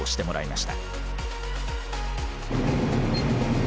はい。